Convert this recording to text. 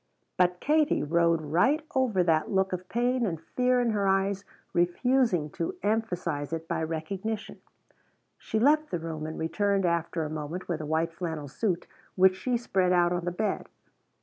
But Katie rode right over that look of pain and fear in her eyes, refusing to emphasize it by recognition. She left the room and returned after a moment with a white flannel suit which she spread out on the bed.